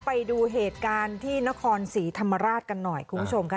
ไปดูเหตุการณ์ที่นครศรีธรรมราชกันหน่อยคุณผู้ชมค่ะ